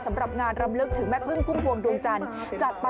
สำหรับงานรำลึกถึงแม่พึ่งพุ่มพวงดวงจันทร์